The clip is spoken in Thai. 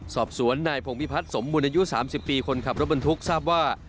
สอบสวนนายพงพิพัฒน์สมบุญอายุ๓๐ปีคนขับรถบรรทุกทราบว่า